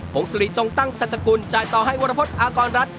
งศิริจงตั้งสัจกุลจ่ายต่อให้วรพฤษอากรรัฐ